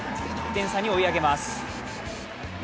１点差に追い上げます。